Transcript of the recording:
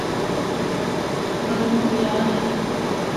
مگر مُک یاد اے۔